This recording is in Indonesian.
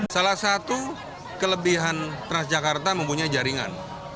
salah satu kelebihan transjakarta mempunyai jaringan